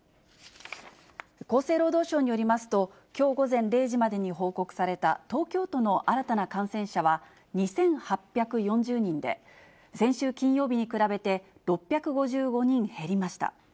厚生労働省によりますと、きょう午前０時までに報告された東京都の新たな感染者は２８４０人で、先週金曜日に比べて６５５人減りました。